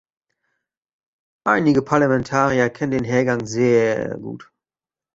Einige Parlamentarier kennen den Hergang sehr gut.